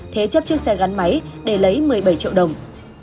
thế chấp chiếc xe gắn máy để lấy một mươi bảy triệu đồng